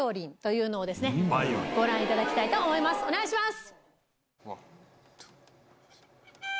ご覧いただきたいと思いますお願いします！